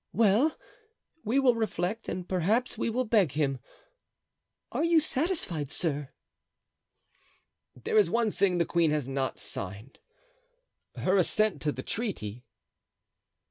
Well, we will reflect and perhaps we will beg him. Are you satisfied, sir?" "There is one thing the queen has not signed—her assent to the treaty."